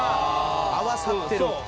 合わさってるんや。